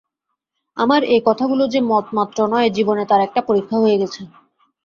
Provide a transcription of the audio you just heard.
আমার এই কথাগুলো যে মতমাত্র নয়, জীবনে তার একটা পরীক্ষা হয়ে গেছে।